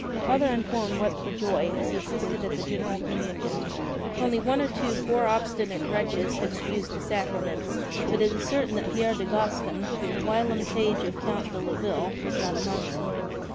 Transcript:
Father Antoine wept for joy as he assisted at the general Communion. Only one or two poor obstinate wretches had refused the sacraments ; but it is certain that Pierre de Gascon, the whilom page of the Count de Leville, was not among them.